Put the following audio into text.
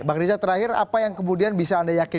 bang riza terakhir apa yang kemudian bisa anda yakinkan